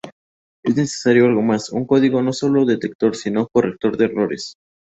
Es necesario algo más, un código no sólo detector sino "corrector de errores".